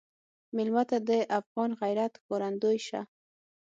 مېلمه ته د افغان غیرت ښکارندوی شه.